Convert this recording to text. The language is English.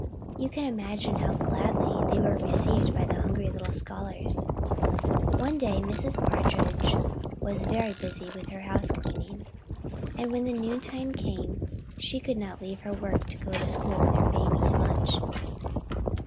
You can imagine how gladly they were received by the hungry little scholars. One day Mrs. Partridge was very busy with her house cleaning, and when the noontime came she could not leave her work to go to the school with her babies' lunch.